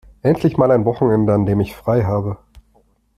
Endlich mal ein Wochenende, an dem ich frei habe!